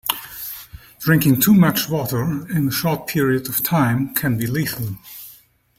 Drinking too much water in a short period of time can be lethal.